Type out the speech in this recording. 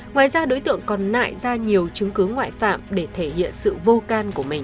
ngoài ra đối tượng còn nại ra nhiều chứng cứ ngoại phạm để thể hiện sự vô ca